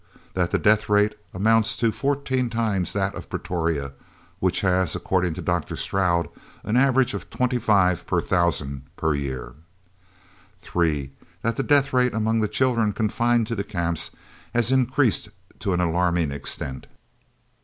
That the death rate amounts to 14 times that of Pretoria, which has, according to Dr. Stroud, an average of 25 per thousand per year. 3. That the death rate among the children confined to the Camps has increased to an alarming extent.